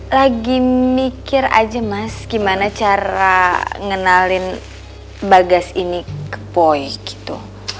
lagi mikir aja mas gimana cara ngenalin bagas ini ke poi gitu